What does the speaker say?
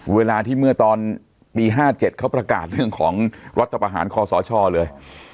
เวลาที่เมื่อตอนปี๕๗เขาประกาศของรจบอาหารคสชเลย